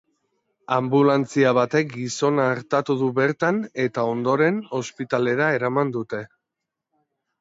Anbulantzia batek gizona artatu du bertan eta, ondoren, ospitalera eraman dute.